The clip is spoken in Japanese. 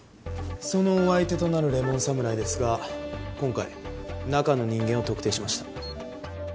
そのお相手となるレモン侍ですが今回中の人間を特定しました。